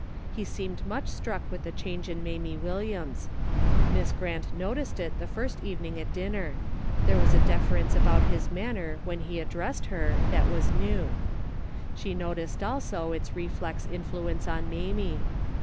He seemed much struck with the change in Mamie Williams. Miss Grant noticed it the first evening at din ner. There was a deference about his manner when he addressed her that was ne^v. She noticed also its reflex influence on Mamie.